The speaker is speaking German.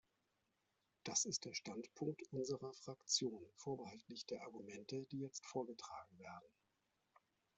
Das ist der Standpunkt unserer Fraktion, vorbehaltlich der Argumente, die jetzt vorgetragen werden.